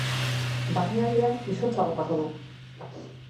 Barnealdean izotza botako du.